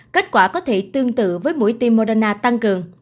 kết quả có thể tương tự với mũi tim moderna tăng cường